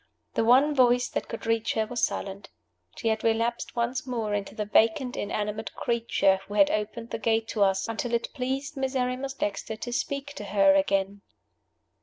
The one voice that could reach her was silent. She had relapsed once more into the vacant inanimate creature who had opened the gate to us, until it pleased Miserrimus Dexter to speak to her again.